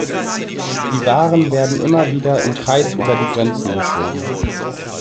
Die Waren werden immer wieder im Kreis über die Grenzen geschoben.